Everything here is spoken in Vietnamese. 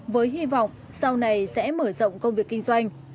với hy vọng sau này sẽ mở rộng công việc kinh doanh